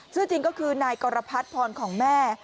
ชื่อจริงก็คือนายกรพัฒน์พรของแม่